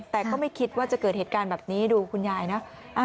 แต่ก็ไม่คิดว่าจะเกิดเหตุการณ์แบบนี้ดูคุณยายนะ